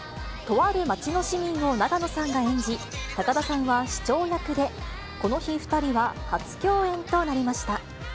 とある街の市民を永野さんが演じ、高田さんは市長役で、この日、２人は初共演となりました。